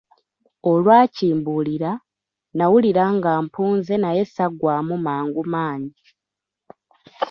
Olwakimbuulira, nawulira nga mpunze naye ssaggwaamu mangu maanyi.